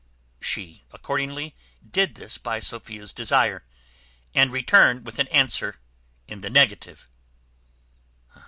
She accordingly did this by Sophia's desire, and returned with an answer in the negative.